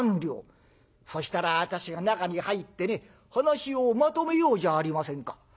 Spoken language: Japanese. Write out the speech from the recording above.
そしたら私が中に入ってね話をまとめようじゃありませんか」。